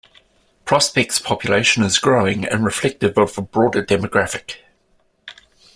Prospect's population is growing and reflective of a broader demographic.